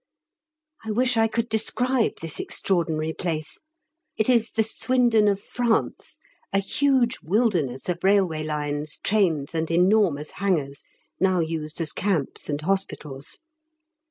I wish I could describe this extraordinary place. It is the Swindon of France; a huge wilderness of railway lines, trains, and enormous hangars, now used as camps and hospitals.